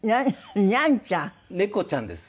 猫ちゃんです。